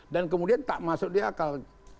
dan kemudian tak masuk di akal